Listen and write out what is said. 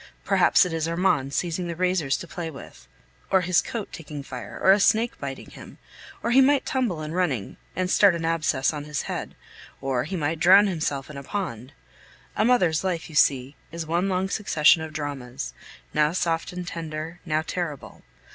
Perhaps it is Armand seizing the razors to play with, or his coat taking fire, or a snake biting him, or he might tumble in running and start an abscess on his head, or he might drown himself in a pond. A mother's life, you see, is one long succession of dramas, now soft and tender, now terrible.